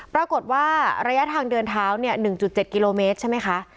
ปรากฏว่าระยะทางเดินเท้า๑๗กิโลเมตรใช่ไหมคะ